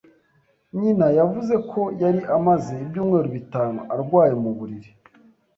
Nyina yavuze ko yari amaze ibyumweru bitanu arwaye mu buriri.